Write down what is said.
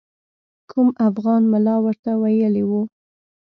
کوم افغان ملا ورته ویلي وو.